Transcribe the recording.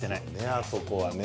あそこはね。